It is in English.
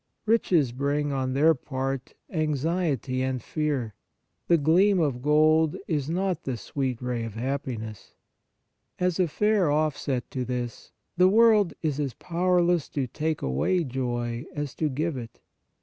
Riches bring, on their part, anxiety and fear ; i47 On Piety the gleam of gold is not the sweet ray of happiness. As a fair offset to this, the world is as powerless to take away joy as to give it.